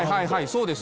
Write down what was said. そうです